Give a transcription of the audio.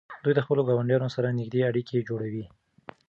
دوی د خپلو ګاونډیانو سره نږدې اړیکې جوړوي.